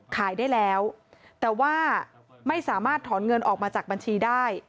ขายได้แล้วแต่ว่าไม่สามารถถอนเงินออกมาจากบัญชีได้